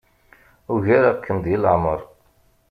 Ugareɣ-kem deg leɛmeṛ.